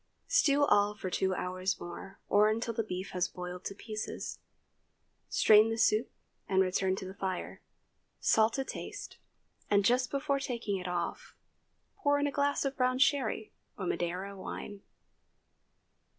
Stew all for two hours more, or until the beef has boiled to pieces. Strain the soup and return to the fire. Salt to taste, and just before taking it off, pour in a glass of brown sherry or Madeira wine.